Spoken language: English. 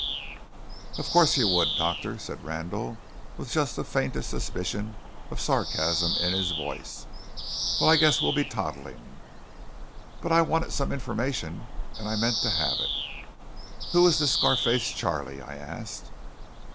"Of course you would, Doctor," said Randall with just the faintest suspicion of sarcasm in his voice. "Well, I guess we'll be toddling." But I wanted some information, and I meant to have it. "Who is this Scar face Charley," I asked.